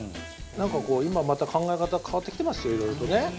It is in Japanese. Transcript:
なんかこう今また考え方変わってきてますよいろいろとね。